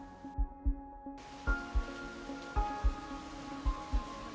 program hiba air limba setempat